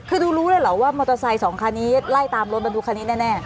คือดูรู้เลยเหรอว่ามอเตอร์ไซค์สองคันนี้ไล่ตามรถบรรทุกคันนี้แน่